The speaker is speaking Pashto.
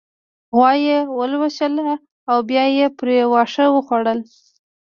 غوا يې ولوشله او بيا يې پرې واښه وخوړل